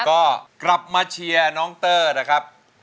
ก็กลับมาเชียร์น้องเตอร์นะครับ